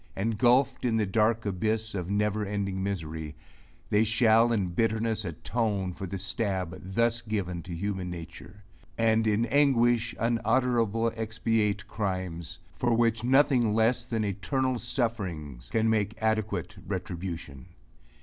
Engulphed in the dark abyss of never ending misery, they shall in bitterness atone for the stab thus given to human nature; and in anguish unutterable expiate crimes, for which nothing less than eternal sufferings can make adequate retribution!